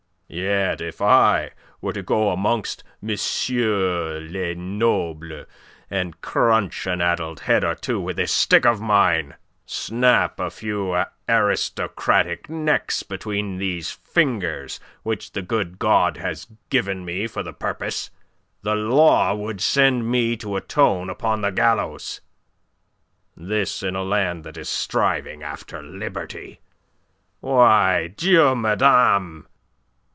Yet if I were to go amongst messieurs les nobles and crunch an addled head or two with this stick of mine, snap a few aristocratic necks between these fingers which the good God has given me for the purpose, the law would send me to atone upon the gallows. This in a land that is striving after liberty. Why, Dieu me damne!